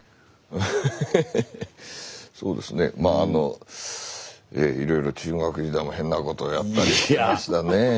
そうですねまああのいろいろ中学時代も変なことをやったり。